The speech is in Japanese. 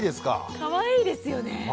かわいいですよね。